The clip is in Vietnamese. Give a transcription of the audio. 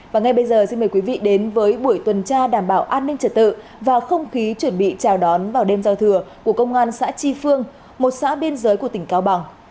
và ngay bây giờ xin mời quý vị đến với buổi tuần tra đảm bảo an ninh trật tự và không khí chuẩn bị chào đón vào đêm giao thừa của công an xã chi phương một xã biên giới của tỉnh cao bằng